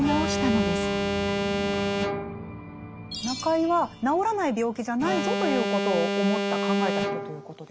中井は治らない病気じゃないぞということを思った考えた人ということでしょうか？